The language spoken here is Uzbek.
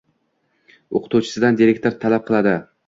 Oʻqituvchidan direktor talab qiladi.